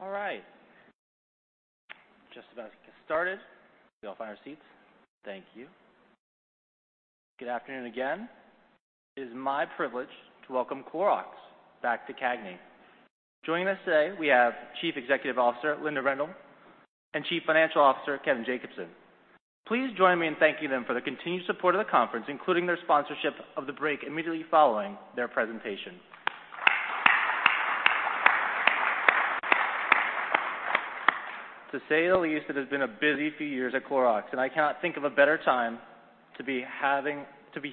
All right. Just about to get started. We all find our seats. Thank you. Good afternoon again. It is my privilege to welcome Clorox back to CAGNY. Joining us today, we have Chief Executive Officer, Linda Rendle, and Chief Financial Officer, Kevin Jacobsen. Please join me in thanking them for their continued support of the conference, including their sponsorship of the break immediately following their presentation. To say the least, it has been a busy few years at Clorox, and I cannot think of a better time to be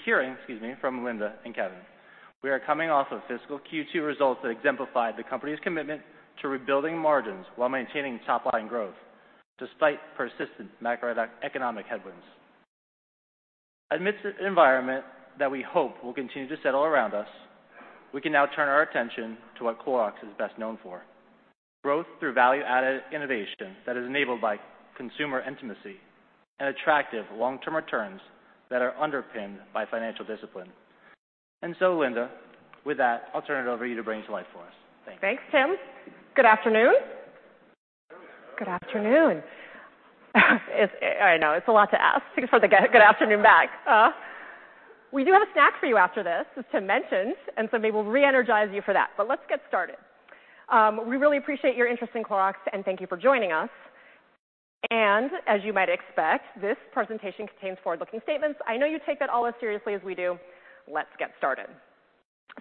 hearing, excuse me, from Linda and Kevin. We are coming off of fiscal Q2 results that exemplify the company's commitment to rebuilding margins while maintaining top-line growth despite persistent macroeconomic headwinds. Amidst this environment that we hope will continue to settle around us, we can now turn our attention to what Clorox is best known for, growth through value-added innovation that is enabled by consumer intimacy and attractive long-term returns that are underpinned by financial discipline. Linda, with that, I'll turn it over to you to bring it to life for us. Thank you. Thanks, Tim. Good afternoon. Good afternoon. Good afternoon. I know, it's a lot to ask for the good afternoon back. We do have a snack for you after this, as Tim mentioned, maybe we'll re-energize you for that. Let's get started. We really appreciate your interest in Clorox, thank you for joining us. As you might expect, this presentation contains forward-looking statements. I know you take that all as seriously as we do. Let's get started.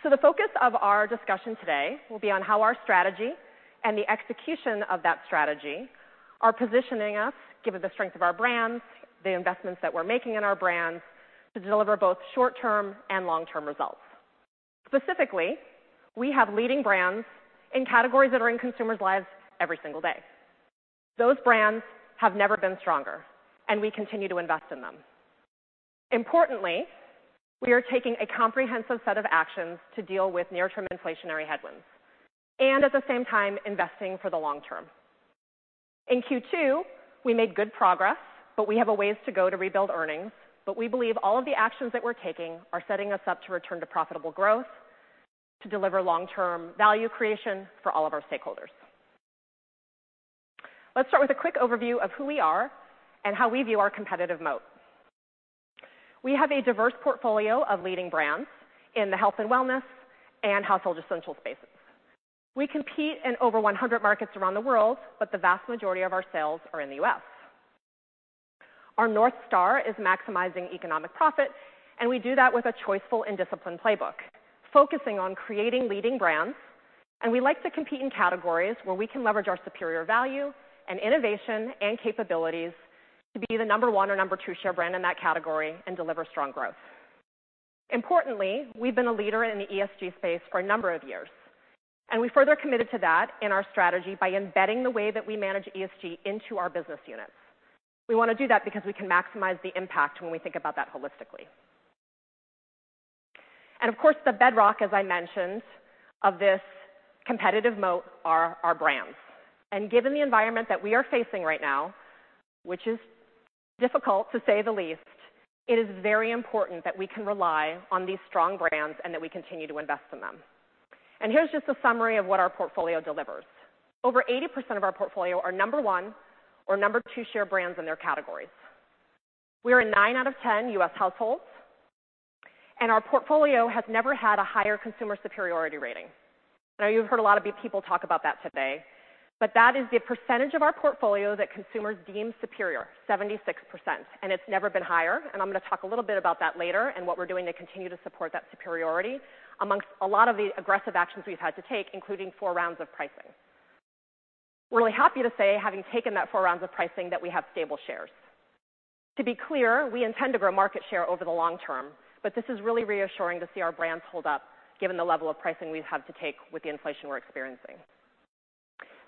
The focus of our discussion today will be on how our strategy and the execution of that strategy are positioning us, given the strength of our brands, the investments that we're making in our brands to deliver both short-term and long-term results. Specifically, we have leading brands in categories that are in consumers' lives every single day. Those brands have never been stronger, we continue to invest in them. We are taking a comprehensive set of actions to deal with near-term inflationary headwinds and at the same time, investing for the long term. In Q2, we made good progress, we have a ways to go to rebuild earnings, we believe all of the actions that we're taking are setting us up to return to profitable growth to deliver long-term value creation for all of our stakeholders. Let's start with a quick overview of who we are and how we view our competitive moat. We have a diverse portfolio of leading brands in the health and wellness and household essential spaces. We compete in over 100 markets around the world, the vast majority of our sales are in the U.S. Our North Star is maximizing economic profit, we do that with a choiceful and disciplined playbook, focusing on creating leading brands. We like to compete in categories where we can leverage our superior value and innovation and capabilities to be the number 1 or number 2 share brand in that category and deliver strong growth. Importantly, we've been a leader in the ESG space for a number of years, and we further committed to that in our strategy by embedding the way that we manage ESG into our business units. We wanna do that because we can maximize the impact when we think about that holistically. Of course, the bedrock, as I mentioned, of this competitive moat are our brands. Given the environment that we are facing right now, which is difficult, to say the least, it is very important that we can rely on these strong brands and that we continue to invest in them. Here's just a summary of what our portfolio delivers. Over 80% of our portfolio are number one or number two share brands in their categories. We are in 9 out of 10 U.S. households, and our portfolio has never had a higher consumer superiority rating. I know you've heard a lot of people talk about that today, but that is the percentage of our portfolio that consumers deem superior, 76%, and it's never been higher. I'm gonna talk a little bit about that later and what we're doing to continue to support that superiority amongst a lot of the aggressive actions we've had to take, including four rounds of pricing. We're really happy to say, having taken that four rounds of pricing, that we have stable shares. To be clear, we intend to grow market share over the long term, this is really reassuring to see our brands hold up given the level of pricing we've had to take with the inflation we're experiencing.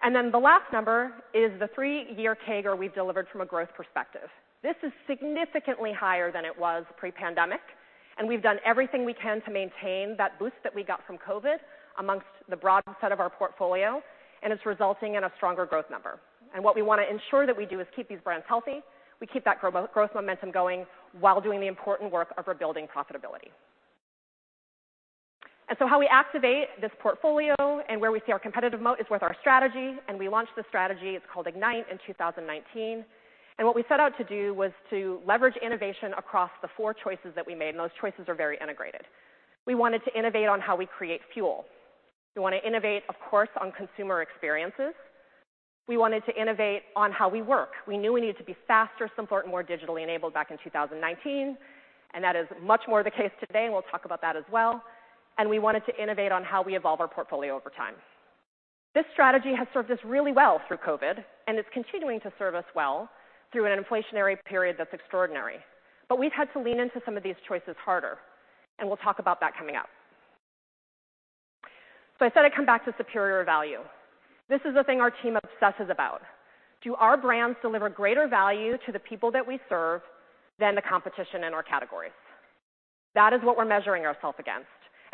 The last number is the three-year CAGR we've delivered from a growth perspective. This is significantly higher than it was pre-pandemic, we've done everything we can to maintain that boost that we got from COVID amongst the broad set of our portfolio, it's resulting in a stronger growth number. What we wanna ensure that we do is keep these brands healthy. We keep that growth momentum going while doing the important work of rebuilding profitability. How we activate this portfolio and where we see our competitive moat is with our strategy, we launched the strategy, it's called IGNITE, in 2019. What we set out to do was to leverage innovation across the four choices that we made, and those choices are very integrated. We wanted to innovate on how we create fuel. We wanna innovate, of course, on consumer experiences. We wanted to innovate on how we work. We knew we needed to be faster, simpler, and more digitally enabled back in 2019, and that is much more the case today, and we'll talk about that as well. We wanted to innovate on how we evolve our portfolio over time. This strategy has served us really well through COVID, and it's continuing to serve us well through an inflationary period that's extraordinary. We've had to lean into some of these choices harder, and we'll talk about that coming up. I said I'd come back to superior value. This is the thing our team obsesses about. Do our brands deliver greater value to the people that we serve than the competition in our categories? That is what we're measuring ourselves against.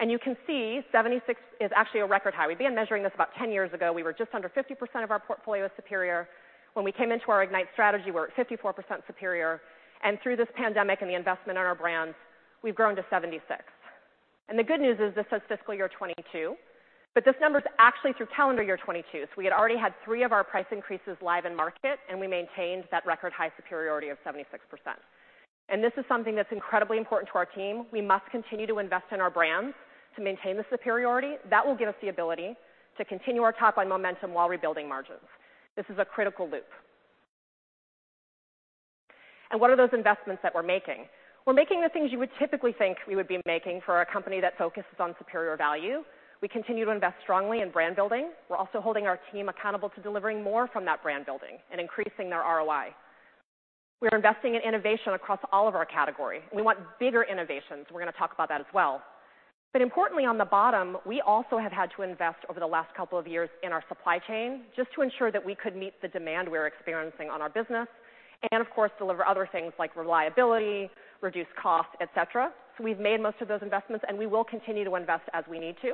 You can see 76 is actually a record high. We began measuring this about 10 years ago. We were just under 50% of our portfolio as superior. When we came into our IGNITE strategy, we're at 54% superior. Through this pandemic and the investment in our brands, we've grown to 76. The good news is this is fiscal year 22, but this number is actually through calendar year 22. We had already had 3 of our price increases live in market, and we maintained that record high superiority of 76%. This is something that's incredibly important to our team. We must continue to invest in our brands to maintain the superiority. That will give us the ability to continue our top line momentum while rebuilding margins. This is a critical loop. What are those investments that we're making? We're making the things you would typically think we would be making for a company that focuses on superior value. We continue to invest strongly in brand building. We're also holding our team accountable to delivering more from that brand building and increasing their ROI. We are investing in innovation across all of our category. We want bigger innovations. We're going to talk about that as well. Importantly on the bottom, we also have had to invest over the last couple of years in our supply chain just to ensure that we could meet the demand we're experiencing on our business and of course, deliver other things like reliability, reduce costs, et cetera. We've made most of those investments, and we will continue to invest as we need to.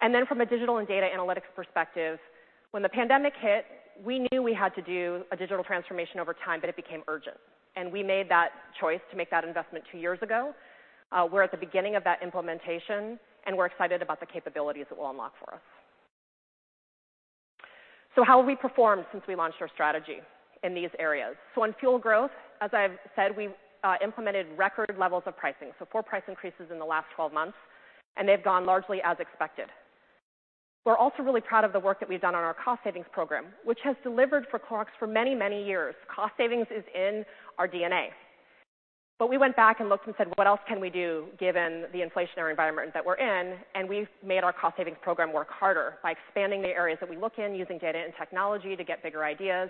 Then from a digital and data analytics perspective, when the pandemic hit, we knew we had to do a digital transformation over time, but it became urgent. We made that choice to make that investment 2 years ago. We're at the beginning of that implementation, and we're excited about the capabilities it will unlock for us. How have we performed since we launched our strategy in these areas? In fuel growth, as I've said, we implemented record levels of pricing. Four price increases in the last 12 months. They've gone largely as expected. We're also really proud of the work that we've done on our cost savings program, which has delivered for CLX for many, many years. Cost savings is in our DNA. We went back and looked and said, "What else can we do given the inflationary environment that we're in?" We've made our cost savings program work harder by expanding the areas that we look in using data and technology to get bigger ideas.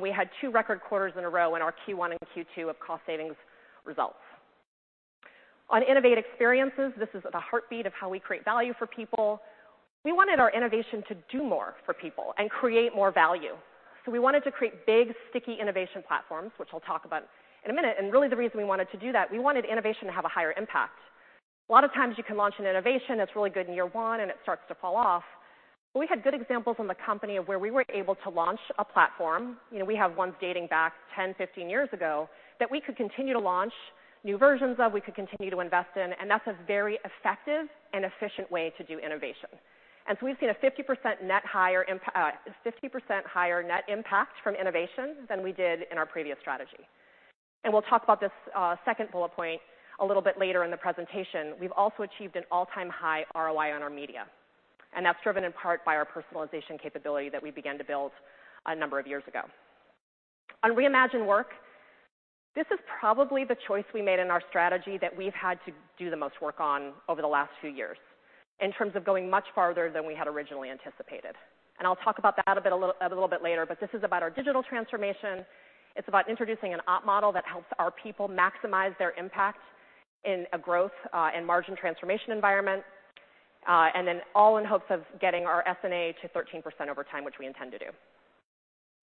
We had two record quarters in a row in our Q1 and Q2 of cost savings results. On innovate experiences, this is the heartbeat of how we create value for people. We wanted our innovation to do more for people and create more value. We wanted to create big, sticky innovation platforms, which I'll talk about in a minute. Really the reason we wanted to do that, we wanted innovation to have a higher impact. A lot of times you can launch an innovation that's really good in year one and it starts to fall off. We had good examples in the company of where we were able to launch a platform, you know, we have ones dating back 10, 15 years ago, that we could continue to launch new versions of, we could continue to invest in, and that's a very effective and efficient way to do innovation. We've seen a 50% net higher impact, 50% higher net impact from innovation than we did in our previous strategy. We'll talk about this, second bullet point a little bit later in the presentation. We've also achieved an all-time high ROI on our media, and that's driven in part by our personalization capability that we began to build a number of years ago. On reimagined work, this is probably the choice we made in our strategy that we've had to do the most work on over the last few years in terms of going much farther than we had originally anticipated. I'll talk about that a little bit later. This is about our digital transformation. It's about introducing an op model that helps our people maximize their impact in a growth and margin transformation environment, and then all in hopes of getting our SG&A to 13% over time, which we intend to do.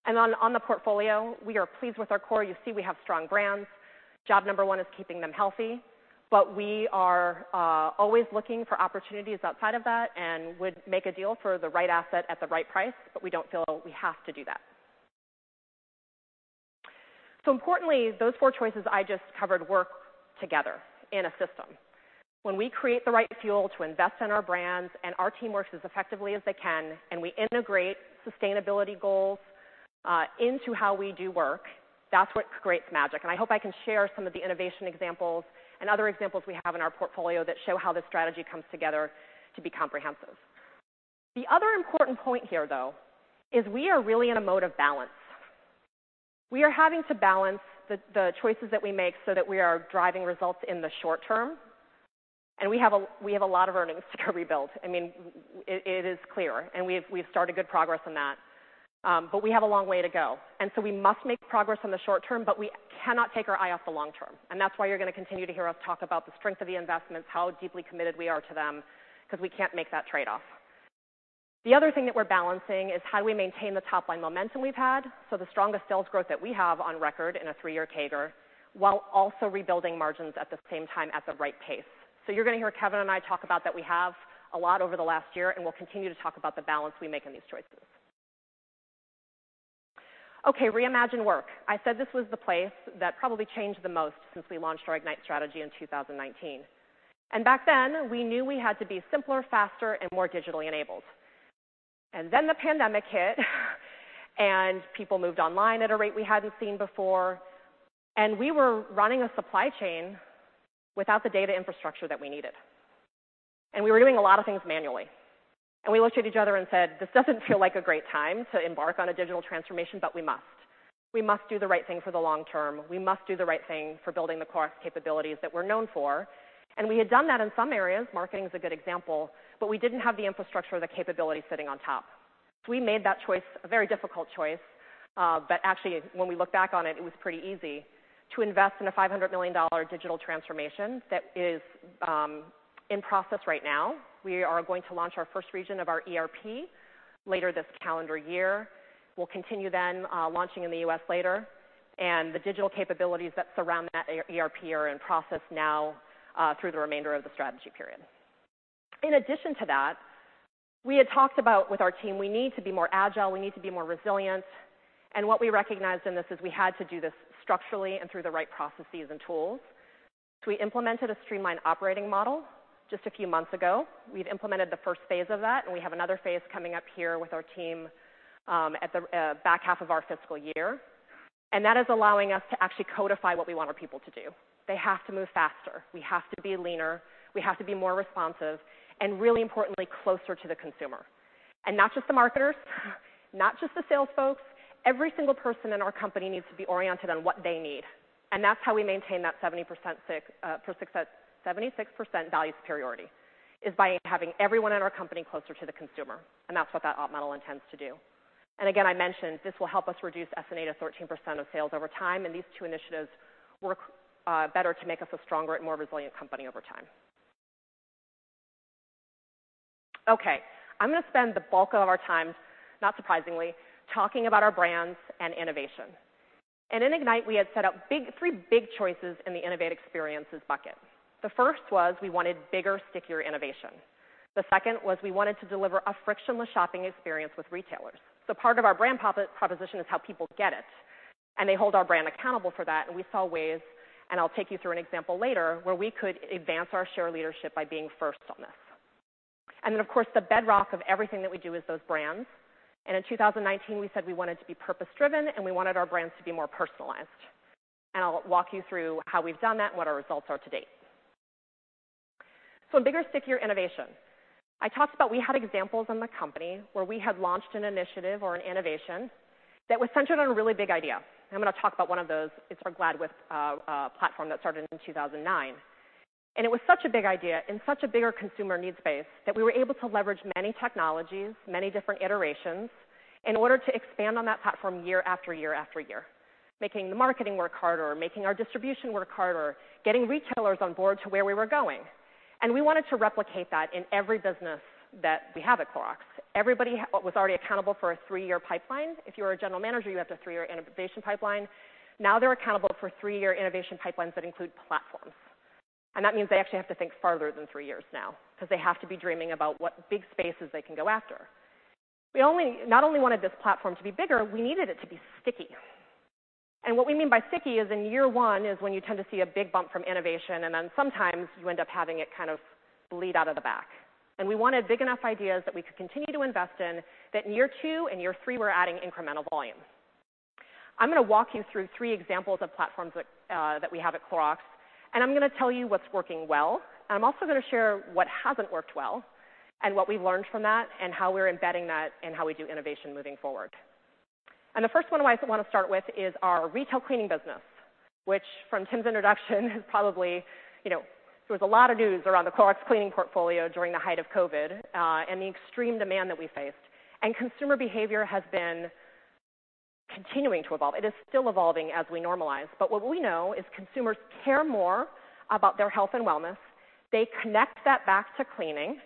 On the portfolio, we are pleased with our core. You see we have strong brands. Job number one is keeping them healthy. We are always looking for opportunities outside of that and would make a deal for the right asset at the right price, but we don't feel we have to do that. Importantly, those 4 choices I just covered work together in a system. When we create the right fuel to invest in our brands and our team works as effectively as they can, and we integrate sustainability goals into how we do work, that's what creates magic. I hope I can share some of the innovation examples and other examples we have in our portfolio that show how this strategy comes together to be comprehensive. The other important point here, though, is we are really in a mode of balance. We are having to balance the choices that we make so that we are driving results in the short term. We have a lot of earnings to rebuild. I mean, it is clear, and we've started good progress on that. We have a long way to go. We must make progress in the short term, but we cannot take our eye off the long term. That's why you're going to continue to hear us talk about the strength of the investments, how deeply committed we are to them, because we can't make that trade-off. The other thing that we're balancing is how do we maintain the top-line momentum we've had, so the strongest sales growth that we have on record in a 3-year CAGR, while also rebuilding margins at the same time at the right pace. You're going to hear Kevin and I talk about that we have a lot over the last year, and we'll continue to talk about the balance we make in these choices. Okay, reimagine work. I said this was the place that probably changed the most since we launched our IGNITE strategy in 2019. Back then, we knew we had to be simpler, faster, and more digitally enabled. Then the pandemic hit, and people moved online at a rate we hadn't seen before. We were running a supply chain without the data infrastructure that we needed. We were doing a lot of things manually. We looked at each other and said, "This doesn't feel like a great time to embark on a digital transformation, but we must. We must do the right thing for the long term. We must do the right thing for building the CLX capabilities that we're known for. We had done that in some areas, marketing is a good example, but we didn't have the infrastructure or the capability sitting on top. We made that choice, a very difficult choice, but actually when we look back on it was pretty easy to invest in a $500 million digital transformation that is in process right now. We are going to launch our first region of our ERP later this calendar year. We'll continue then, launching in the U.S. later. The digital capabilities that surround that ERP are in process now, through the remainder of the strategy period. In addition to that, we had talked about with our team, we need to be more agile, we need to be more resilient, and what we recognized in this is we had to do this structurally and through the right processes and tools. We implemented a streamlined operating model just a few months ago. We've implemented the first phase of that, and we have another phase coming up here with our team, at the back half of our fiscal year. That is allowing us to actually codify what we want our people to do. They have to move faster. We have to be leaner. We have to be more responsive and really importantly, closer to the consumer. Not just the marketers, not just the sales folks. Every single person in our company needs to be oriented on what they need. That's how we maintain that 76% value superiority, is by having everyone in our company closer to the consumer, and that's what that op model intends to do. Again, I mentioned this will help us reduce SG&A to 13% of sales over time, and these two initiatives work better to make us a stronger and more resilient company over time. Okay. I'm gonna spend the bulk of our time, not surprisingly, talking about our brands and innovation. In IGNITE, we had set out three big choices in the innovate experiences bucket. The first was we wanted bigger, stickier innovation. The second was we wanted to deliver a frictionless shopping experience with retailers. Part of our brand proposition is how people get it, and they hold our brand accountable for that, and we saw ways, and I'll take you through an example later, where we could advance our share leadership by being first on this. Of course, the bedrock of everything that we do is those brands. In 2019, we said we wanted to be purpose-driven, and we wanted our brands to be more personalized. I'll walk you through how we've done that and what our results are to date. Bigger, stickier innovation. I talked about we had examples in the company where we had launched an initiative or an innovation that was centered on a really big idea. I'm gonna talk about one of those. It's our Glad waste platform that started in 2009. It was such a big idea and such a bigger consumer need space that we were able to leverage many technologies, many different iterations in order to expand on that platform year after year after year, making the marketing work harder, making our distribution work harder, getting retailers on board to where we were going. We wanted to replicate that in every business that we have at Clorox. Everybody was already accountable for a 3-year pipeline. If you're a general manager, you have a 3-year innovation pipeline. Now they're accountable for 3-year innovation pipelines that include platforms. That means they actually have to think farther than 3 years now 'cause they have to be dreaming about what big spaces they can go after. We not only wanted this platform to be bigger, we needed it to be sticky. What we mean by sticky is in year 1 is when you tend to see a big bump from innovation, and then sometimes you end up having it kind of bleed out of the back. We wanted big enough ideas that we could continue to invest in that in year 2 and year 3 were adding incremental volume. I'm gonna walk you through 3 examples of platforms that we have at Clorox, and I'm gonna tell you what's working well, and I'm also gonna share what hasn't worked well and what we've learned from that and how we're embedding that in how we do innovation moving forward. The first one I wanna start with is our retail cleaning business, which from Tim's introduction is probably, you know... There was a lot of news around the Clorox cleaning portfolio during the height of COVID, and the extreme demand that we faced. Consumer behavior has been continuing to evolve. It is still evolving as we normalize. What we know is consumers care more about their health and wellness. They connect that back to cleaning,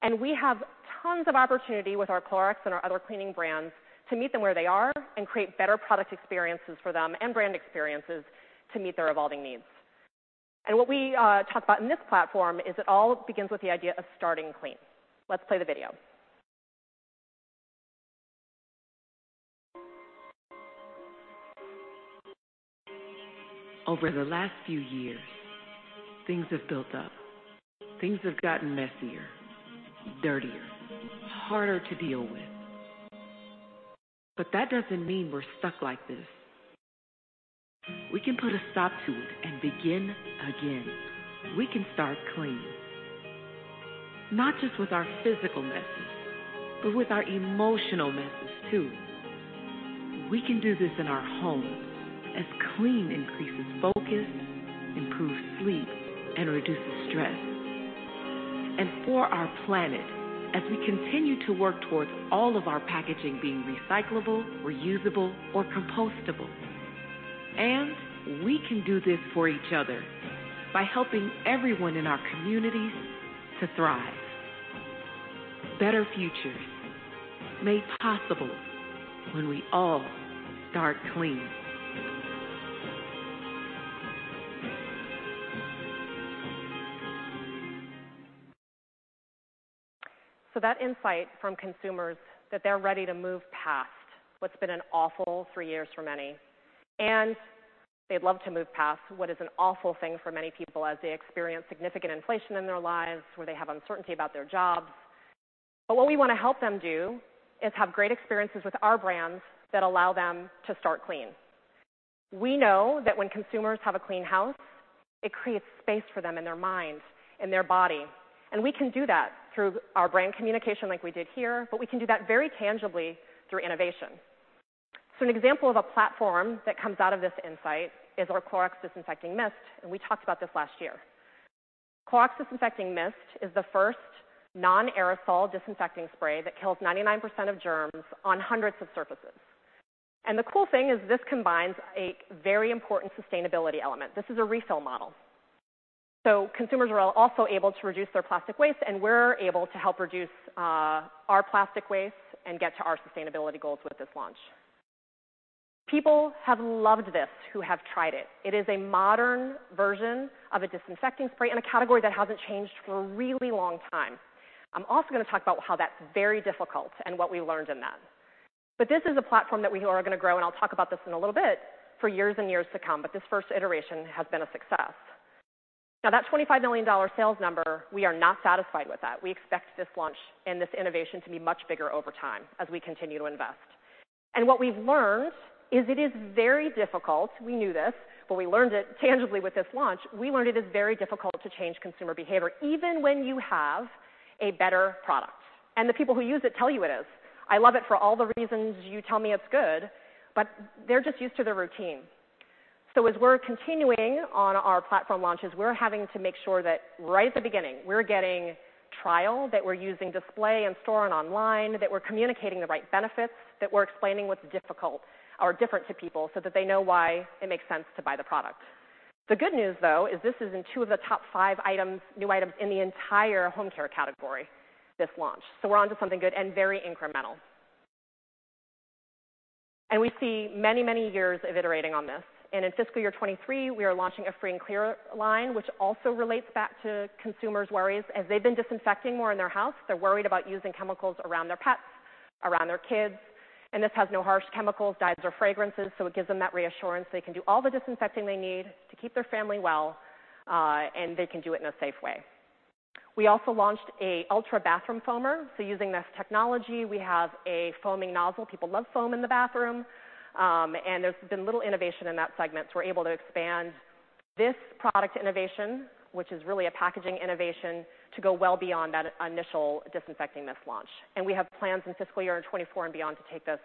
and we have tons of opportunity with our Clorox and our other cleaning brands to meet them where they are and create better product experiences for them and brand experiences to meet their evolving needs. What we talk about in this platform is it all begins with the idea of starting clean. Let's play the video. Over the last few years, things have built up. Things have gotten messier, dirtier, harder to deal with. That doesn't mean we're stuck like this. We can put a stop to it and begin again. We can start clean, not just with our physical messes, but with our emotional messes too. We can do this in our home as clean increases focus, improves sleep, and reduces stress. For our planet, as we continue to work towards all of our packaging being recyclable, reusable, or compostable. We can do this for each other by helping everyone in our communities to thrive. Better futures made possible when we all start clean. That insight from consumers that they're ready to move past what's been an awful 3 years for many, and they'd love to move past what is an awful thing for many people as they experience significant inflation in their lives, where they have uncertainty about their jobs. What we wanna help them do is have great experiences with our brands that allow them to start clean. We know that when consumers have a clean house, it creates space for them in their mind and their body, and we can do that through our brand communication like we did here, but we can do that very tangibly through innovation. An example of a platform that comes out of this insight is our Clorox Disinfecting Mist, and we talked about this last year. Clorox Disinfecting Mist is the first non-aerosol disinfecting spray that kills 99% of germs on hundreds of surfaces. The cool thing is this combines a very important sustainability element. This is a refill model. Consumers are also able to reduce their plastic waste, and we're able to help reduce our plastic waste and get to our sustainability goals with this launch. People have loved this, who have tried it. It is a modern version of a disinfecting spray in a category that hasn't changed for a really long time. I'm also gonna talk about how that's very difficult and what we learned in that. This is a platform that we are gonna grow, and I'll talk about this in a little bit, for years and years to come. This first iteration has been a success. Now that $25 million sales number, we are not satisfied with that. We expect this launch and this innovation to be much bigger over time as we continue to invest. What we've learned is it is very difficult, we knew this, but we learned it tangibly with this launch. We learned it is very difficult to change consumer behavior even when you have a better product. The people who use it tell you it is, "I love it for all the reasons you tell me it's good," but they're just used to their routine. As we're continuing on our platform launches, we're having to make sure that right at the beginning, we're getting trial, that we're using display in store and online, that we're communicating the right benefits, that we're explaining what's difficult or different to people so that they know why it makes sense to buy the product. The good news, though, is this is in 2 of the top 5 items, new items in the entire home care category, this launch. We're onto something good and very incremental. We see many, many years of iterating on this. In fiscal year 2023, we are launching a free and clear line, which also relates back to consumers' worries. As they've been disinfecting more in their house, they're worried about using chemicals around their pets, around their kids. This has no harsh chemicals, dyes, or fragrances. It gives them that reassurance they can do all the disinfecting they need to keep their family well. They can do it in a safe way. We also launched a Ultra Bathroom Foamer. Using this technology, we have a foaming nozzle. People love foam in the bathroom. There's been little innovation in that segment. We're able to expand this product innovation, which is really a packaging innovation, to go well beyond that initial Disinfecting Mist launch. We have plans in fiscal year 2024 and beyond to take this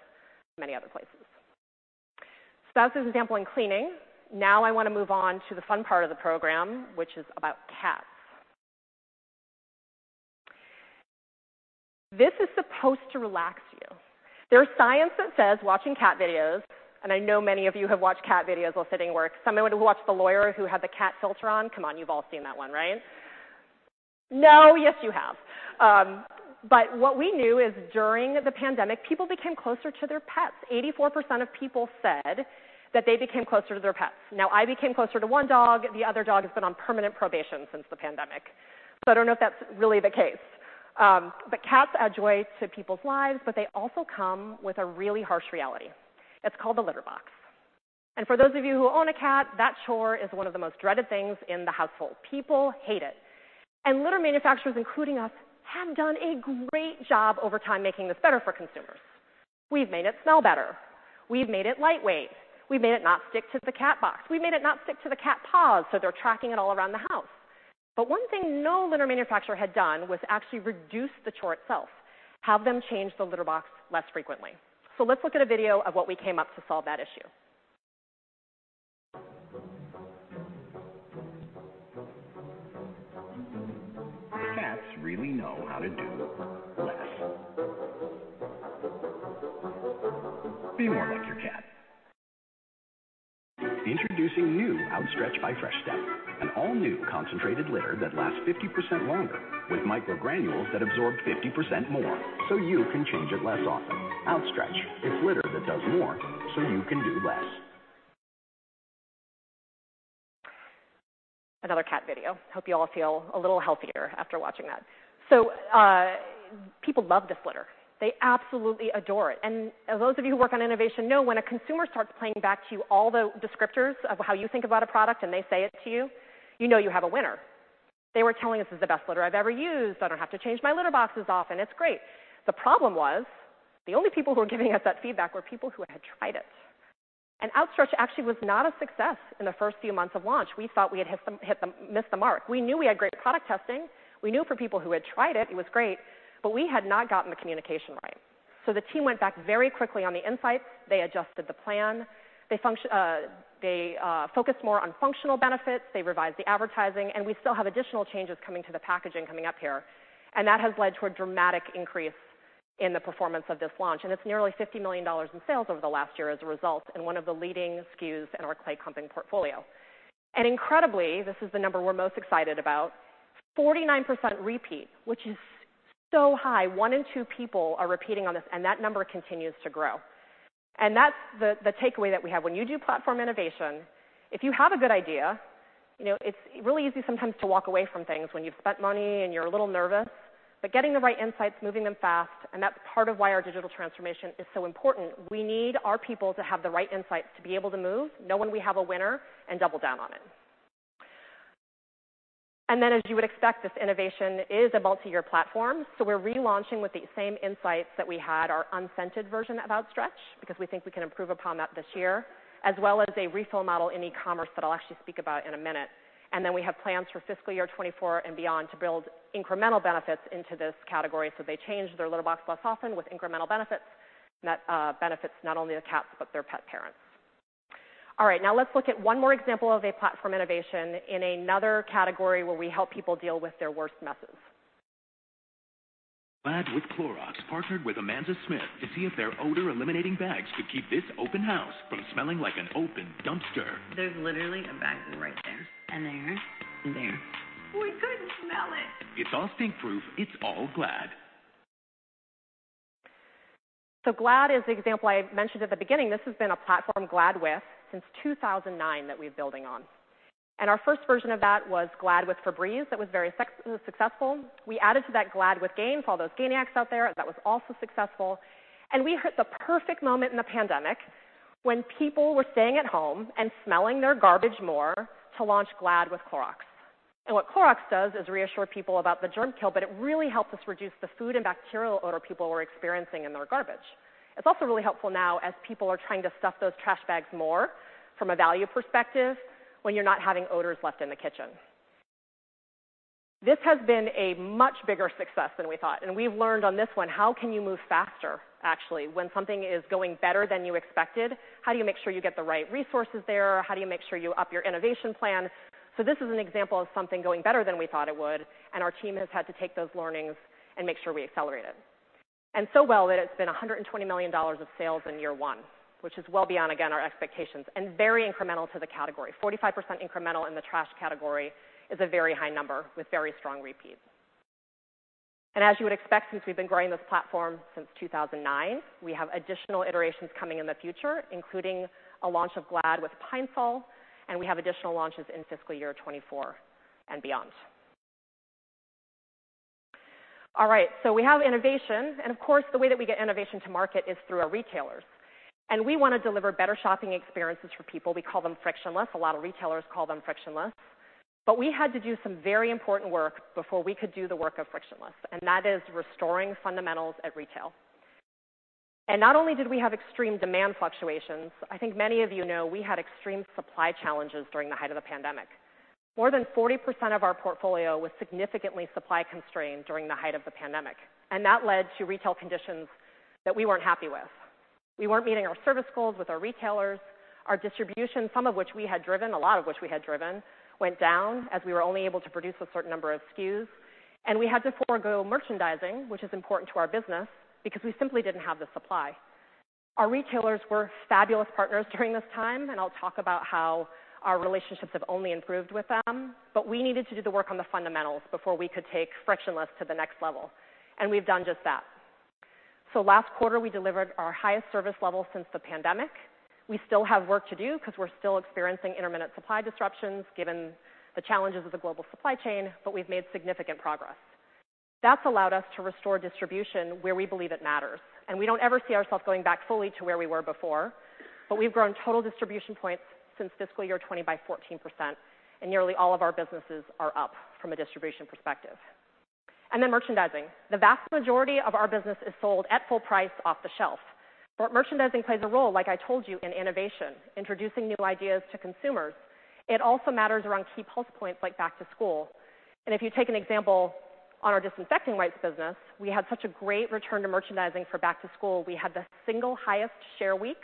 many other places. That's an example in cleaning. Now I wanna move on to the fun part of the program, which is about cats. This is supposed to relax you. There's science that says watching cat videos, and I know many of you have watched cat videos while sitting at work. Some of you watched the lawyer who had the cat filter on. Come on, you've all seen that one, right? No? Yes, you have. What we knew is during the pandemic, people became closer to their pets. 84% of people said that they became closer to their pets. I became closer to 1 dog. The other dog has been on permanent probation since the pandemic. I don't know if that's really the case. Cats add joy to people's lives, but they also come with a really harsh reality. It's called the litter box. For those of you who own a cat, that chore is one of the most dreaded things in the household. People hate it. Litter manufacturers, including us, have done a great job over time making this better for consumers. We've made it smell better. We've made it lightweight. We've made it not stick to the cat box. We've made it not stick to the cat paws, so they're tracking it all around the house. One thing no litter manufacturer had done was actually reduce the chore itself, have them change the litter box less frequently. Let's look at a video of what we came up to solve that issue. Cats really know how to do less. Be more like your cat. Introducing new Outstretch by Fresh Step, an all-new concentrated litter that lasts 50% longer with microgranules that absorb 50% more, so you can change it less often. Outstretch, it's litter that does more so you can do less. Another cat video. Hope you all feel a little healthier after watching that. People love this litter. They absolutely adore it. Those of you who work on innovation know when a consumer starts playing back to you all the descriptors of how you think about a product and they say it to you know you have a winner. They were telling us, "It's the best litter I've ever used, so I don't have to change my litter boxes often. It's great." The problem was the only people who were giving us that feedback were people who had tried it. Outstretch actually was not a success in the first few months of launch. We thought we had missed the mark. We knew we had great product testing. We knew for people who had tried it was great. We had not gotten the communication right. The team went back very quickly on the insights. They adjusted the plan. They focused more on functional benefits. They revised the advertising. We still have additional changes coming to the packaging coming up here. That has led to a dramatic increase in the performance of this launch, and it's nearly $50 million in sales over the last year as a result, and one of the leading SKUs in our clay clumping portfolio. Incredibly, this is the number we're most excited about, 49% repeat, which is so high. One in two people are repeating on this, and that number continues to grow. That's the takeaway that we have. When you do platform innovation, if you have a good idea, you know, it's really easy sometimes to walk away from things when you've spent money and you're a little nervous. Getting the right insights, moving them fast, and that's part of why our digital transformation is so important. We need our people to have the right insights to be able to move, know when we have a winner, and double down on it. As you would expect, this innovation is a multi-year platform, so we're relaunching with the same insights that we had our unscented version of Outstretch because we think we can improve upon that this year, as well as a refill model in e-commerce that I'll actually speak about in a minute. We have plans for fiscal year 2024 and beyond to build incremental benefits into this category, so they change their litter box less often with incremental benefits that benefits not only the cats, but their pet parents. All right, now let's look at one more example of a platform innovation in another category where we help people deal with their worst messes. Glad with Clorox partnered with Amanza Smith to see if their odor-eliminating bags could keep this open house from smelling like an open dumpster. There's literally a bag right there, and there, and there. We couldn't smell it. It's all stink proof. It's all Glad. Glad is the example I mentioned at the beginning. This has been a platform Glad with since 2009 that we're building on. Our first version of that was Glad with Febreze. That was very successful. We added to that Glad with Gain for all those Gainiacs out there, and that was also successful. We hit the perfect moment in the pandemic when people were staying at home and smelling their garbage more to launch Glad with Clorox. What Clorox does is reassure people about the germ kill, but it really helped us reduce the food and bacterial odor people were experiencing in their garbage. It's also really helpful now as people are trying to stuff those trash bags more from a value perspective when you're not having odors left in the kitchen. This has been a much bigger success than we thought. We've learned on this one, how can you move faster, actually? When something is going better than you expected, how do you make sure you get the right resources there? How do you make sure you up your innovation plan? This is an example of something going better than we thought it would. Our team has had to take those learnings and make sure we accelerated. Well that it's been $120 million of sales in year one, which is well beyond, again, our expectations and very incremental to the category. 45% incremental in the trash category is a very high number with very strong repeats. As you would expect, since we've been growing this platform since 2009, we have additional iterations coming in the future, including a launch of Glad with Pine-Sol, and we have additional launches in fiscal year 2024 and beyond. All right, we have innovation, and of course, the way that we get innovation to market is through our retailers. We wanna deliver better shopping experiences for people. We call them frictionless. A lot of retailers call them frictionless. We had to do some very important work before we could do the work of frictionless, and that is restoring fundamentals at retail. Not only did we have extreme demand fluctuations, I think many of you know we had extreme supply challenges during the height of the pandemic. More than 40% of our portfolio was significantly supply constrained during the height of the pandemic, that led to retail conditions that we weren't happy with. We weren't meeting our service goals with our retailers. Our distribution, some of which we had driven, a lot of which we had driven, went down as we were only able to produce a certain number of SKUs. We had to forego merchandising, which is important to our business because we simply didn't have the supply. Our retailers were fabulous partners during this time, I'll talk about how our relationships have only improved with them, we needed to do the work on the fundamentals before we could take frictionless to the next level, we've done just that. Last quarter, we delivered our highest service level since the pandemic. We still have work to do 'cause we're still experiencing intermittent supply disruptions given the challenges of the global supply chain, but we've made significant progress. That's allowed us to restore distribution where we believe it matters. We don't ever see ourselves going back fully to where we were before, but we've grown total distribution points since fiscal year 2020 by 14%, and nearly all of our businesses are up from a distribution perspective. Then merchandising. The vast majority of our business is sold at full price off the shelf, but merchandising plays a role, like I told you, in innovation, introducing new ideas to consumers. It also matters around key pulse points like back to school. If you take an example on our disinfecting wipes business, we had such a great return to merchandising for back to school. We had the single highest share week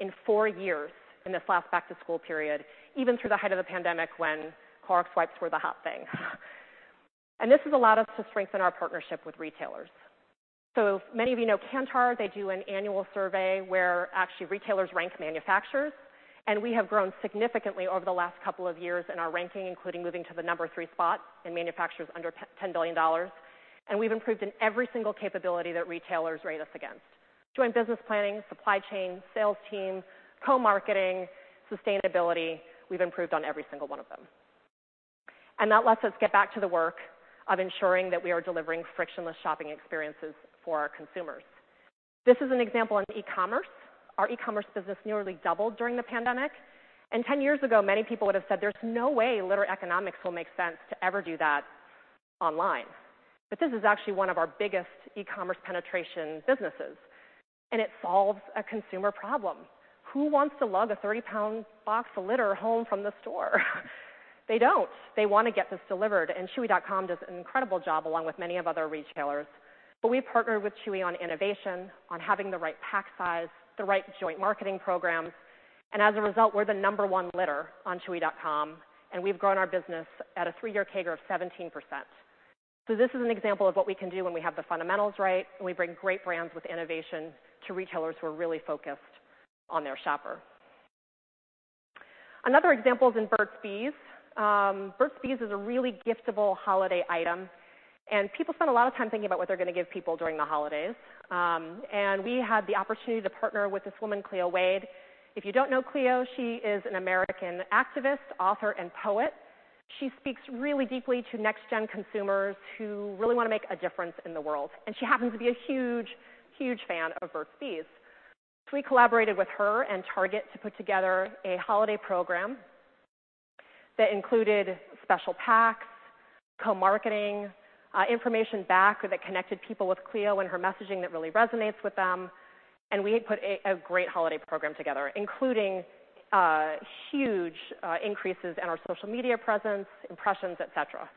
in 4 years in this last back to school period, even through the height of the pandemic when Clorox wipes were the hot thing. This has allowed us to strengthen our partnership with retailers. Many of you know Kantar, they do an annual survey where actually retailers rank manufacturers, we have grown significantly over the last couple of years in our ranking, including moving to the number 3 spot in manufacturers under $10 billion. We've improved in every single capability that retailers rate us against. Joint business planning, supply chain, sales team, co-marketing, sustainability, we've improved on every single one of them. That lets us get back to the work of ensuring that we are delivering frictionless shopping experiences for our consumers. This is an example in e-commerce. Our e-commerce business nearly doubled during the pandemic. 10 years ago, many people would have said there's no way litter economics will make sense to ever do that online. This is actually one of our biggest e-commerce penetration businesses. It solves a consumer problem. Who wants to lug a 30-pound box of litter home from the store? They don't. They wanna get this delivered. Chewy.com does an incredible job along with many of other retailers. We partnered with Chewy on innovation, on having the right pack size, the right joint marketing programs. As a result, we're the number one litter on Chewy.com. We've grown our business at a three-year CAGR of 17%. This is an example of what we can do when we have the fundamentals right, and we bring great brands with innovation to retailers who are really focused on their shopper. Another example is in Burt's Bees. Burt's Bees is a really giftable holiday item, and people spend a lot of time thinking about what they're gonna give people during the holidays. We had the opportunity to partner with this woman, Cleo Wade. If you don't know Cleo, she is an American activist, author, and poet. She speaks really deeply to next gen consumers who really wanna make a difference in the world, and she happens to be a huge fan of Burt's Bees. We collaborated with her and Target to put together a holiday program that included special packs, co-marketing, information back that connected people with Cleo and her messaging that really resonates with them. We put a great holiday program together, including huge increases in our social media presence, impressions, et cetera.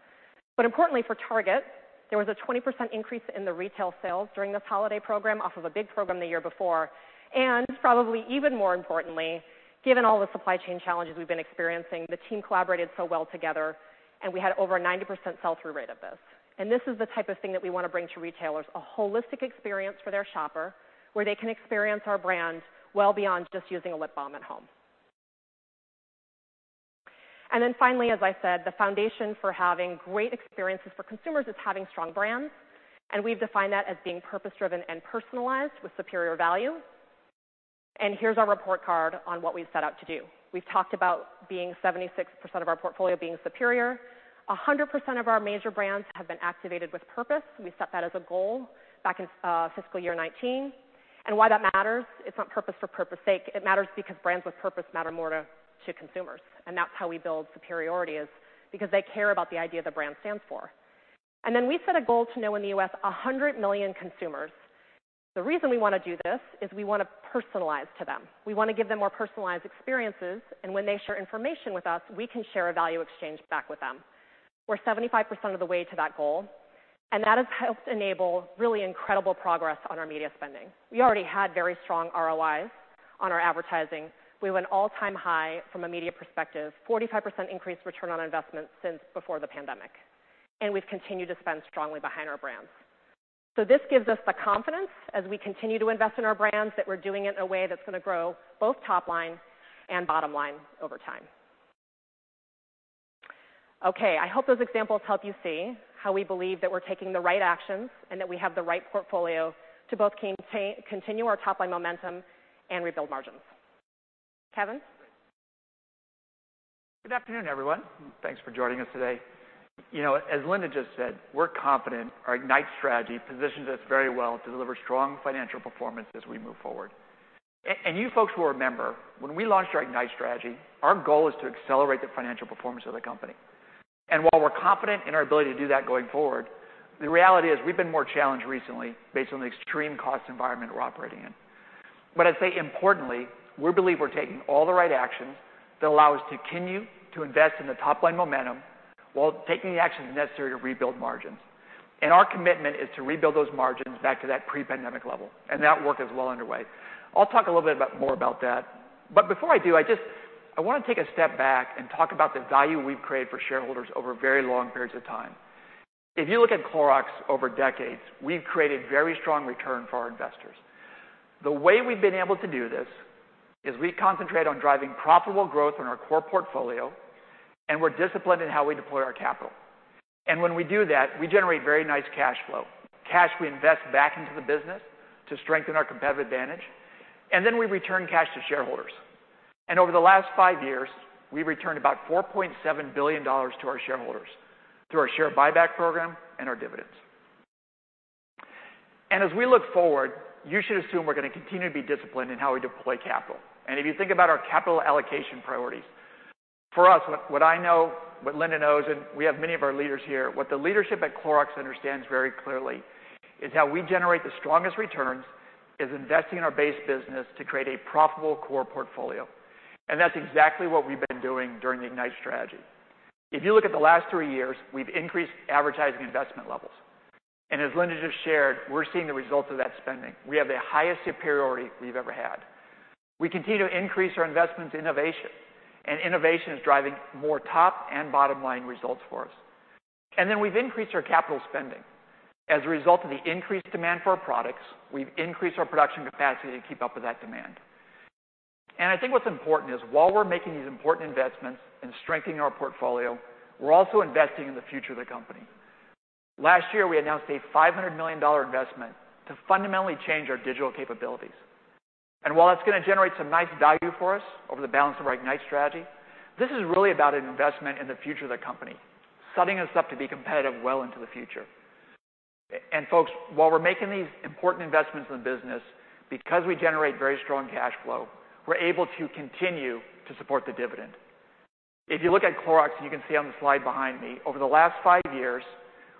Importantly for Target, there was a 20% increase in the retail sales during this holiday program off of a big program the year before. Probably even more importantly, given all the supply chain challenges we've been experiencing, the team collaborated so well together, and we had over a 90% sell-through rate of this. This is the type of thing that we wanna bring to retailers, a holistic experience for their shopper, where they can experience our brand well beyond just using a lip balm at home. Finally, as I said, the foundation for having great experiences for consumers is having strong brands, and we've defined that as being purpose-driven and personalized with superior value. Here's our report card on what we've set out to do. We've talked about being 76% of our portfolio being superior. 100% of our major brands have been activated with purpose. We set that as a goal back in fiscal year 19. Why that matters, it's not purpose for purpose sake. It matters because brands with purpose matter more to consumers, and that's how we build superiority is because they care about the idea the brand stands for. We set a goal to know in the U.S. 100 million consumers. The reason we wanna do this is we wanna personalize to them. We wanna give them more personalized experiences, and when they share information with us, we can share a value exchange back with them. We're 75% of the way to that goal, and that has helped enable really incredible progress on our media spending. We already had very strong ROIs on our advertising. We have an all-time high from a media perspective, 45% increased return on investment since before the pandemic, and we've continued to spend strongly behind our brands. This gives us the confidence as we continue to invest in our brands, that we're doing it in a way that's gonna grow both top line and bottom line over time. Okay, I hope those examples help you see how we believe that we're taking the right actions and that we have the right portfolio to both continue our top line momentum and rebuild margins. Kevin? Good afternoon, everyone. Thanks for joining us today. You know, as Linda just said, we're confident our IGNITE strategy positions us very well to deliver strong financial performance as we move forward. And you folks will remember when we launched our IGNITE strategy, our goal is to accelerate the financial performance of the company. While we're confident in our ability to do that going forward, the reality is we've been more challenged recently based on the extreme cost environment we're operating in. I'd say importantly, we believe we're taking all the right actions that allow us to continue to invest in the top-line momentum while taking the actions necessary to rebuild margins. Our commitment is to rebuild those margins back to that pre-pandemic level, and that work is well underway. I'll talk a little bit about that, but before I do, I wanna take a step back and talk about the value we've created for shareholders over very long periods of time. If you look at Clorox over decades, we've created very strong return for our investors. The way we've been able to do this is we concentrate on driving profitable growth in our core portfolio, and we're disciplined in how we deploy our capital. When we do that, we generate very nice cash flow, cash we invest back into the business to strengthen our competitive advantage, and then we return cash to shareholders. Over the last five years, we've returned about $4.7 billion to our shareholders through our share buyback program and our dividends. As we look forward, you should assume we're gonna continue to be disciplined in how we deploy capital. If you think about our capital allocation priorities, for us, what I know, what Linda knows, and we have many of our leaders here, what the leadership at Clorox understands very clearly is how we generate the strongest returns is investing in our base business to create a profitable core portfolio. That's exactly what we've been doing during the IGNITE strategy. If you look at the last three years, we've increased advertising investment levels. As Linda just shared, we're seeing the results of that spending. We have the highest superiority we've ever had. We continue to increase our investment in innovation, and innovation is driving more top and bottom-line results for us. Then we've increased our capital spending. As a result of the increased demand for our products, we've increased our production capacity to keep up with that demand. I think what's important is while we're making these important investments and strengthening our portfolio, we're also investing in the future of the company. Last year, we announced a $500 million investment to fundamentally change our digital capabilities. While that's gonna generate some nice value for us over the balance of our IGNITE strategy, this is really about an investment in the future of the company, setting us up to be competitive well into the future. Folks, while we're making these important investments in the business, because we generate very strong cash flow, we're able to continue to support the dividend. If you look at Clorox, you can see on the slide behind me, over the last 5 years,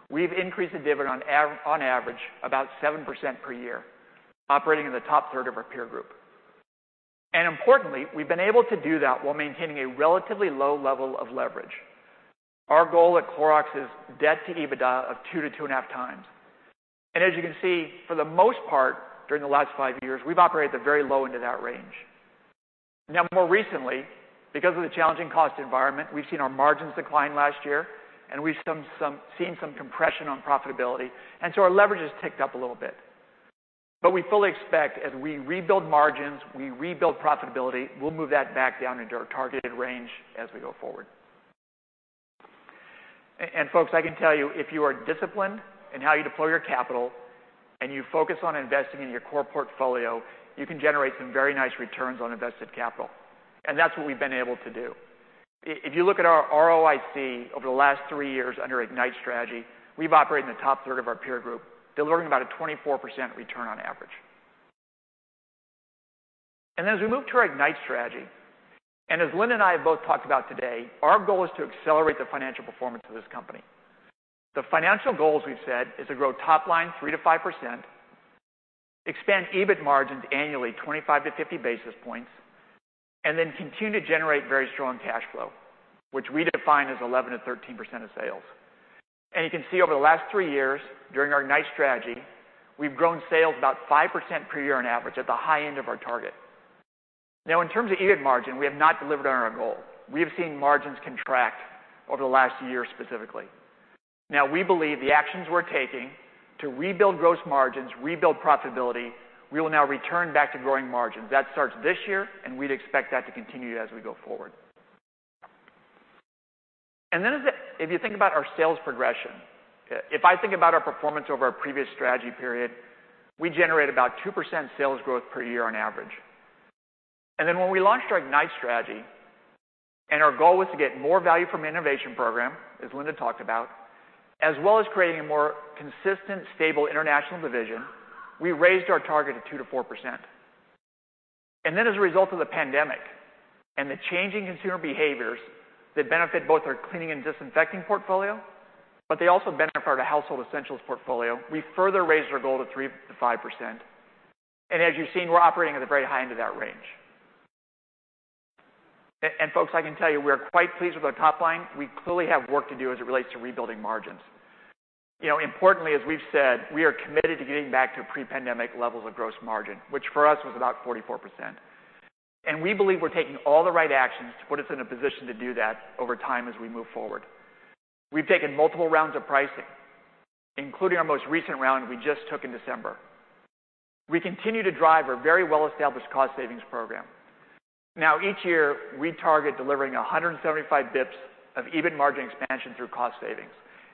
we've increased the dividend on average about 7% per year, operating in the top third of our peer group. Importantly, we've been able to do that while maintaining a relatively low level of leverage. Our goal at Clorox is debt to EBITDA of 2-2.5 times. As you can see, for the most part, during the last 5 years, we've operated at the very low end of that range. Now, more recently, because of the challenging cost environment, we've seen our margins decline last year, and we've seen some compression on profitability, and so our leverage has ticked up a little bit. We fully expect as we rebuild margins, we rebuild profitability, we'll move that back down into our targeted range as we go forward. Folks, I can tell you, if you are disciplined in how you deploy your capital and you focus on investing in your core portfolio, you can generate some very nice returns on invested capital, and that's what we've been able to do. If you look at our ROIC over the last 3 years under IGNITE strategy, we've operated in the top third of our peer group, delivering about a 24% return on average. As we move to our IGNITE strategy, and as Linda and I have both talked about today, our goal is to accelerate the financial performance of this company. The financial goals we've set is to grow top line 3%-5%, expand EBIT margins annually 25 to 50 basis points, and then continue to generate very strong cash flow, which we define as 11%-13% of sales. You can see over the last three years during our IGNITE strategy, we've grown sales about 5% per year on average at the high end of our target. In terms of EBIT margin, we have not delivered on our goal. We have seen margins contract over the last year specifically. Now we believe the actions we're taking to rebuild gross margins, rebuild profitability, we will now return back to growing margins. That starts this year, and we'd expect that to continue as we go forward. If you think about our sales progression, if I think about our performance over our previous strategy period, we generate about 2% sales growth per year on average. When we launched our IGNITE strategy and our goal was to get more value from innovation program, as Linda talked about, as well as creating a more consistent, stable international division, we raised our target to 2%-4%. As a result of the pandemic and the changing consumer behaviors that benefit both our cleaning and disinfecting portfolio, but they also benefit our household essentials portfolio, we further raised our goal to 3%-5%. As you've seen, we're operating at the very high end of that range. And, folks, I can tell you, we are quite pleased with our top line. We clearly have work to do as it relates to rebuilding margins. You know, importantly, as we've said, we are committed to getting back to pre-pandemic levels of gross margin, which for us was about 44%. We believe we're taking all the right actions to put us in a position to do that over time as we move forward. We've taken multiple rounds of pricing, including our most recent round we just took in December. We continue to drive our very well-established cost savings program. Each year, we target delivering 175 basis points of EBITDA margin expansion through cost savings,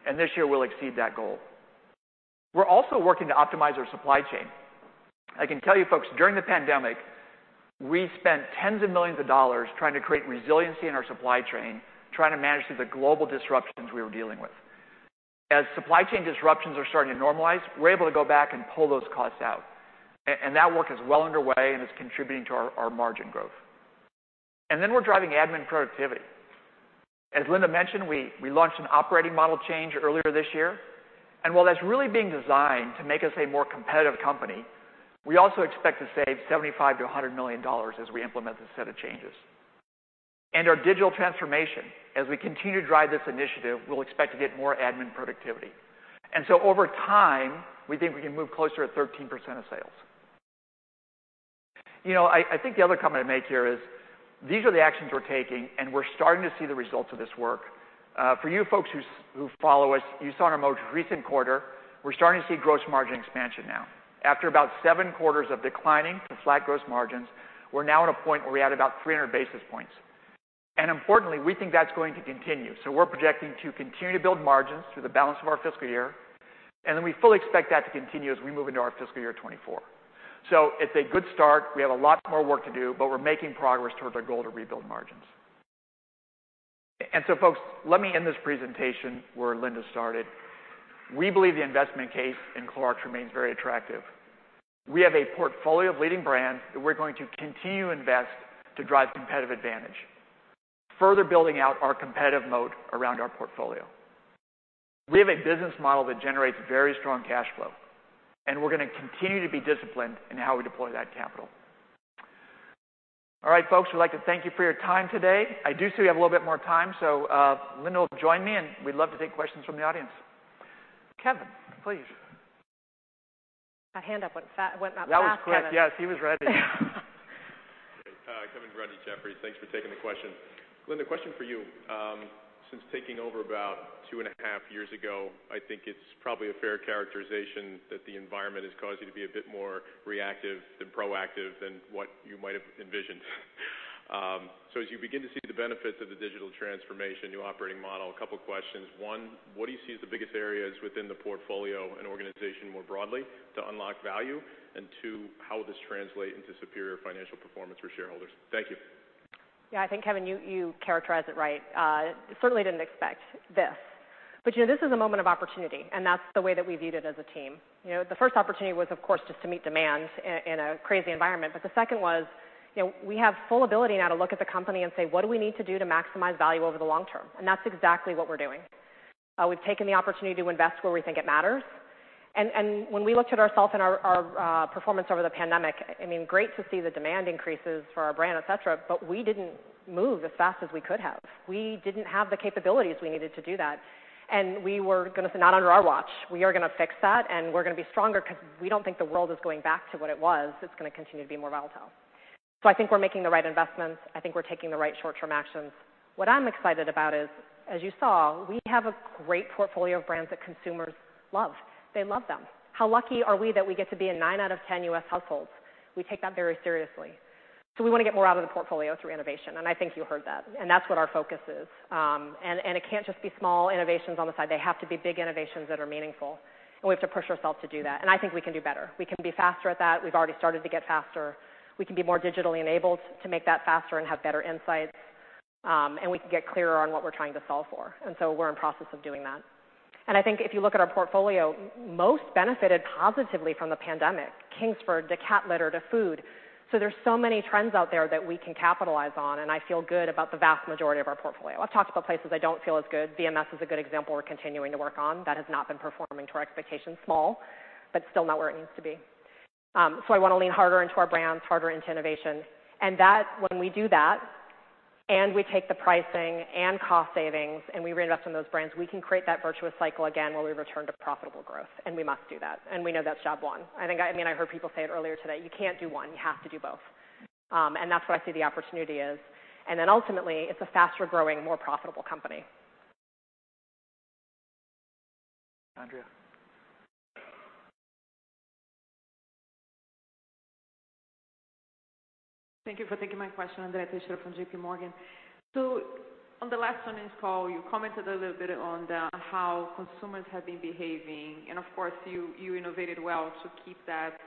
and this year we'll exceed that goal. We're also working to optimize our supply chain. I can tell you, folks, during the pandemic, we spent tens of millions of dollars trying to create resiliency in our supply chain, trying to manage through the global disruptions we were dealing with. As supply chain disruptions are starting to normalize, we're able to go back and pull those costs out. That work is well underway and is contributing to our margin growth. Then we're driving admin productivity. As Linda mentioned, we launched an operating model change earlier this year, and while that's really being designed to make us a more competitive company, we also expect to save $75 million-$100 million as we implement this set of changes. Our digital transformation, as we continue to drive this initiative, we'll expect to get more admin productivity. Over time, we think we can move closer to 13% of sales. You know, I think the other comment to make here is these are the actions we're taking, and we're starting to see the results of this work. For you folks who follow us, you saw in our most recent quarter, we're starting to see gross margin expansion now. After about 7 quarters of declining to flat gross margins, we're now at a point where we add about 300 basis points. Importantly, we think that's going to continue. We're projecting to continue to build margins through the balance of our fiscal year, and then we fully expect that to continue as we move into our fiscal year 2024. It's a good start. We have a lot more work to do, but we're making progress towards our goal to rebuild margins. Folks, let me end this presentation where Linda started. We believe the investment case in Clorox remains very attractive. We have a portfolio of leading brands that we're going to continue to invest to drive competitive advantage, further building out our competitive moat around our portfolio. We have a business model that generates very strong cash flow, and we're gonna continue to be disciplined in how we deploy that capital. All right, folks, we'd like to thank you for your time today. I do see we have a little bit more time, so Linda will join me, and we'd love to take questions from the audience. Kevin, please. That hand up went by fast, Kevin. That was quick. Yes, he was ready. Okay. Kevin Grundy, Jefferies. Thanks for taking the question. Linda, question for you. Since taking over about 2.5 years ago, I think it's probably a fair characterization that the environment has caused you to be a bit more reactive than proactive than what you might have envisioned. As you begin to see the benefits of the digital transformation, new operating model, a couple questions. One, what do you see as the biggest areas within the portfolio and organization more broadly to unlock value? Two, how will this translate into superior financial performance for shareholders? Thank you. I think, Kevin, you characterized it right. Certainly didn't expect this, but, you know, this is a moment of opportunity, and that's the way that we viewed it as a team. You know, the first opportunity was, of course, just to meet demand in a crazy environment, but the second was, you know, we have full ability now to look at the company and say, "What do we need to do to maximize value over the long term?" That's exactly what we're doing. We've taken the opportunity to invest where we think it matters. When we looked at ourselves and our performance over the pandemic, I mean, great to see the demand increases for our brand, et cetera, but we didn't move as fast as we could have. We didn't have the capabilities we needed to do that. We were gonna say, "Not under our watch. We are gonna fix that, and we're gonna be stronger 'cause we don't think the world is going back to what it was. It's gonna continue to be more volatile." I think we're making the right investments. I think we're taking the right short-term actions. What I'm excited about is, as you saw, we have a great portfolio of brands that consumers love. They love them. How lucky are we that we get to be in 9 out of 10 U.S. households? We take that very seriously. We wanna get more out of the portfolio through innovation, and I think you heard that, and that's what our focus is. It can't just be small innovations on the side. They have to be big innovations that are meaningful, and we have to push ourselves to do that, and I think we can do better. We can be faster at that. We've already started to get faster. We can be more digitally enabled to make that faster and have better insights, and we can get clearer on what we're trying to solve for. We're in process of doing that. If you look at our portfolio, most benefited positively from the pandemic, Kingsford, to cat litter, to food. There's so many trends out there that we can capitalize on, and I feel good about the vast majority of our portfolio. I've talked about places I don't feel as good. VMS is a good example we're continuing to work on that has not been performing to our expectations. Small, but still not where it needs to be. I wanna lean harder into our brands, harder into innovation. That, when we do that, and we take the pricing and cost savings, and we reinvest in those brands, we can create that virtuous cycle again where we return to profitable growth, and we must do that, and we know that's job one. I mean, I heard people say it earlier today, you can't do one. You have to do both. That's where I see the opportunity is. Ultimately, it's a faster-growing, more profitable company. Thank you. Thank you for taking my question. Andrea Teixeira from JPMorgan. On the last earnings call, you commented a little bit on how consumers have been behaving. Of course, you innovated well to keep that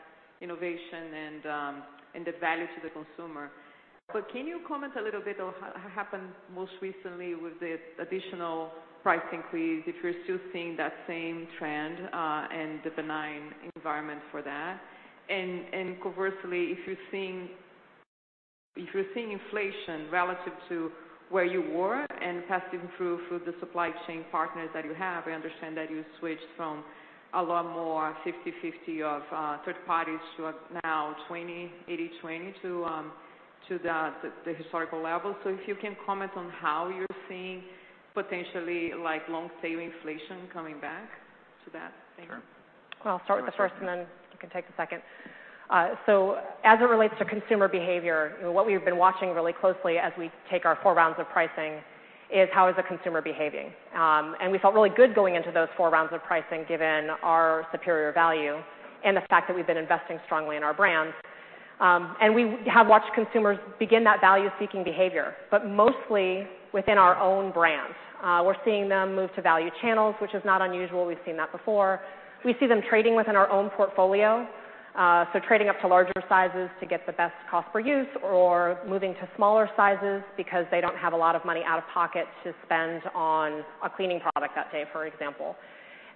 innovation and the value to the consumer. Can you comment a little bit on how happened most recently with the additional price increase, if you're still seeing that same trend and the benign environment for that? Conversely, if you're seeing inflation relative to where you were and passing through for the supply chain partners that you have, I understand that you switched from a lot more 50/50 of third parties to a now 20/80 to the historical level. If you can comment on how you're seeing potentially, like, long-stay inflation coming back to that thing. Sure. Well, I'll start with the first, and then you can take the second. As it relates to consumer behavior, what we've been watching really closely as we take our four rounds of pricing is how is the consumer behaving. We felt really good going into those four rounds of pricing given our superior value and the fact that we've been investing strongly in our brands. We have watched consumers begin that value-seeking behavior, but mostly within our own brand. We're seeing them move to value channels, which is not unusual. We've seen that before. We see them trading within our own portfolio, so trading up to larger sizes to get the best cost per use or moving to smaller sizes because they don't have a lot of money out of pocket to spend on a cleaning product that day, for example.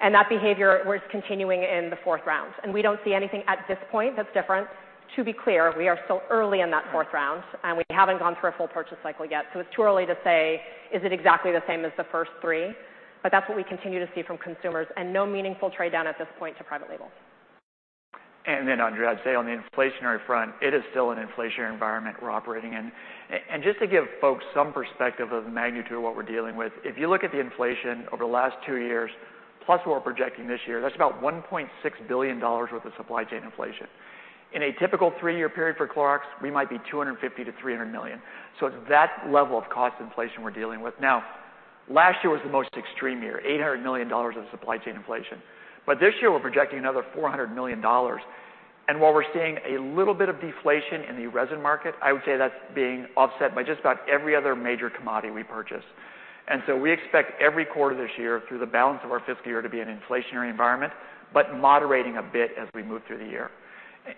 That behavior was continuing in the fourth round, and we don't see anything at this point that's different. To be clear, we are still early in that fourth round, and we haven't gone through a full purchase cycle yet, so it's too early to say, is it exactly the same as the first three? That's what we continue to see from consumers and no meaningful trade-down at this point to private label. Andrea, I'd say on the inflationary front, it is still an inflationary environment we're operating in. Just to give folks some perspective of the magnitude of what we're dealing with, if you look at the inflation over the last two years, plus what we're projecting this year, that's about $1.6 billion worth of supply chain inflation. In a typical three-year period for Clorox, we might be $250 million-$300 million. It's that level of cost inflation we're dealing with. Now, last year was the most extreme year, $800 million of supply chain inflation. This year, we're projecting another $400 million. While we're seeing a little bit of deflation in the resin market, I would say that's being offset by just about every other major commodity we purchase. We expect every quarter this year through the balance of our fifth year to be an inflationary environment, but moderating a bit as we move through the year.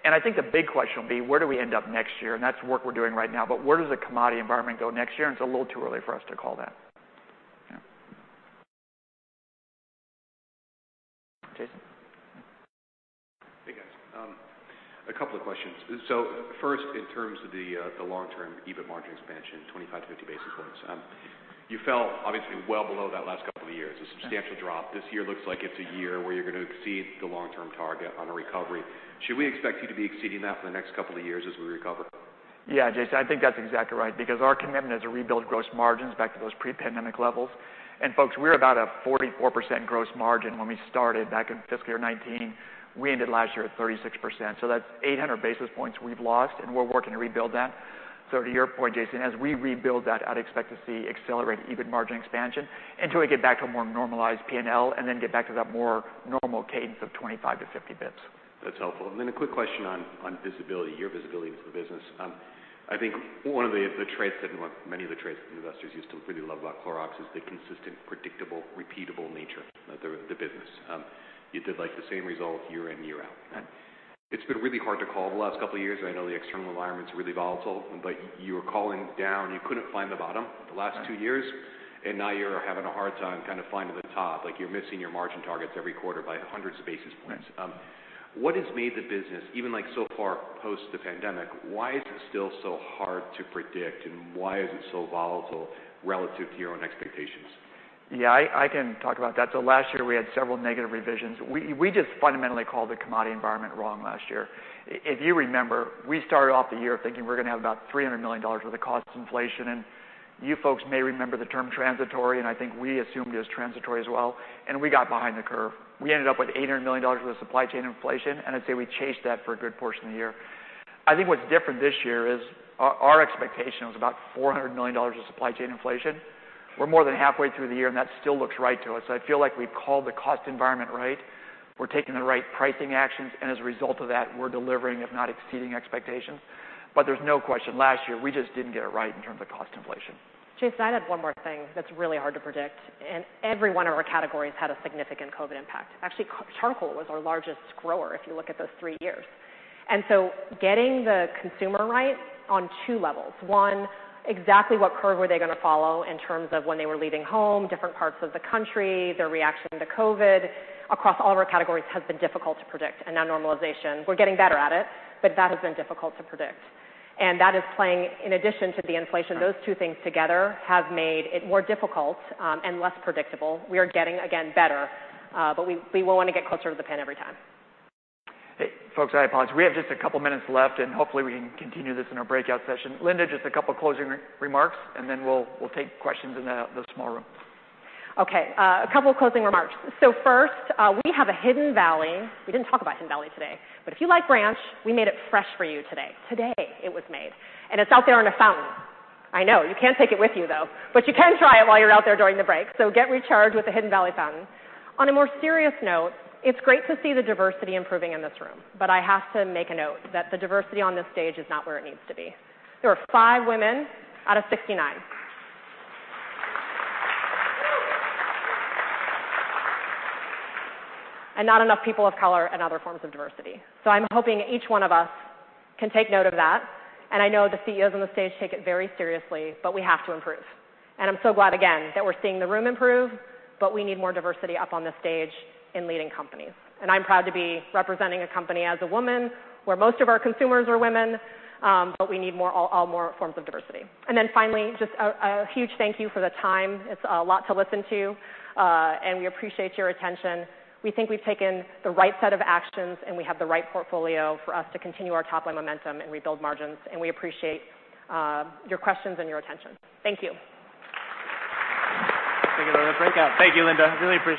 I think the big question will be: Where do we end up next year? That's work we're doing right now, but where does the commodity environment go next year? It's a little too early for us to call that. Yeah. Jason? Hey, guys. A couple of questions. First, in terms of the long-term EBIT margin expansion, 25-50 basis points. You fell obviously well below that last couple of years, a substantial drop. This year looks like it's a year where you're gonna exceed the long-term target on a recovery. Should we expect you to be exceeding that for the next couple of years as we recover? Yeah, Jason, I think that's exactly right because our commitment is to rebuild gross margins back to those pre-pandemic levels. Folks, we're about a 44% gross margin when we started back in fiscal year 2019. We ended last year at 36%, so that's 800 basis points we've lost, and we're working to rebuild that. To your point, Jason, as we rebuild that, I'd expect to see accelerated EBIT margin expansion until we get back to a more normalized P&L and then get back to that more normal cadence of 25-50 basis points. That's helpful. Then a quick question on visibility, your visibility into the business. I think one of the traits or one of many of the traits investors used to really love about Clorox is the consistent, predictable, repeatable nature of the business. You did, like, the same result year in, year out. Right. It's been really hard to call the last couple of years. I know the external environment's really volatile. You were calling down. You couldn't find the bottom the last 2 years. Right. Now you're having a hard time kind of finding the top, like, you're missing your margin targets every quarter by hundreds of basis points. Right. What has made the business even, like, so far post the pandemic, why is it still so hard to predict, why is it so volatile relative to your own expectations? Yeah, I can talk about that. Last year, we had several negative revisions. We just fundamentally called the commodity environment wrong last year. If you remember, we started off the year thinking we're gonna have about $300 million worth of cost inflation. You folks may remember the term transitory, and I think we assumed it was transitory as well, and we got behind the curve. We ended up with $800 million worth of supply chain inflation, and I'd say we chased that for a good portion of the year. I think what's different this year is our expectation was about $400 million of supply chain inflation. We're more than halfway through the year, and that still looks right to us. I feel like we've called the cost environment right. We're taking the right pricing actions, and as a result of that, we're delivering, if not exceeding, expectations. There's no question, last year, we just didn't get it right in terms of cost inflation. Jason, I'd add one more thing that's really hard to predict, and every one of our categories had a significant COVID impact. Actually, charcoal was our largest grower if you look at those three years. Getting the consumer right on two levels. One, exactly what curve were they gonna follow in terms of when they were leaving home, different parts of the country, their reaction to COVID across all of our categories has been difficult to predict and now normalization. We're getting better at it, but that has been difficult to predict. That is playing in addition to the inflation. Those two things together have made it more difficult and less predictable. We are getting, again, better, but we wanna get closer to the pin every time. Hey, folks, I apologize. We have just a couple minutes left. Hopefully, we can continue this in our breakout session. Linda, just a couple closing re-remarks. Then we'll take questions in the small room. Okay, a couple closing remarks. First, we have a Hidden Valley. We didn't talk about Hidden Valley today, but if you like ranch, we made it fresh for you today. Today it was made, and it's out there in a fountain. I know. You can't take it with you, though, but you can try it while you're out there during the break. Get recharged with the Hidden Valley fountain. On a more serious note, it's great to see the diversity improving in this room, but I have to make a note that the diversity on this stage is not where it needs to be. There are 5 women out of 69. Not enough people of color and other forms of diversity. I'm hoping each one of us can take note of that, and I know the CEOs on the stage take it very seriously, but we have to improve. I'm so glad again that we're seeing the room improve, but we need more diversity up on the stage in leading companies. I'm proud to be representing a company as a woman, where most of our consumers are women, but we need all more forms of diversity. Finally, just a huge thank you for the time. It's a lot to listen to, and we appreciate your attention. We think we've taken the right set of actions, and we have the right portfolio for us to continue our top-line momentum and rebuild margins, and we appreciate your questions and your attention. Thank you. Thank you. We'll have breakout. Thank you, Linda. Really.